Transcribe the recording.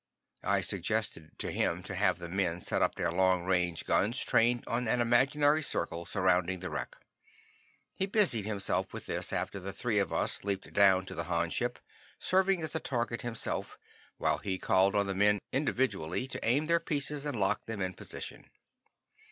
I suggested to him to have the men set up their long guns trained on an imaginary circle surrounding the wreck. He busied himself with this after the three of us leaped down to the Han ship, serving as a target himself, while he called on the men individually to aim their pieces and lock them in position.